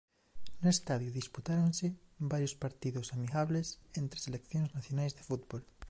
No estadio disputáronse varios partidos amigables entre seleccións nacionais de fútbol.